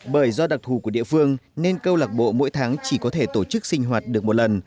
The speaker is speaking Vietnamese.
bởi do đặc thù của địa phương nên câu lạc bộ mỗi tháng chỉ có thể tổ chức sinh hoạt được một lần